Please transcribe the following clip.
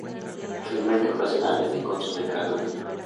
Afirman que ocasionalmente consumen carne humana.